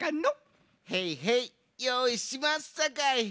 へいへいよういしまっさかい。